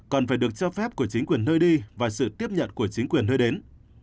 còn phải được cho phép của chính quyền nơi đi và sự tiếp nhận của chính quyền nơi đến